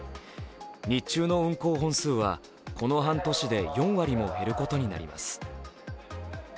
日中の運行本数は、この半年で４割も減ることになります。